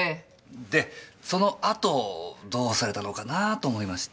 でそのあとどうされたのかなぁっと思いまして。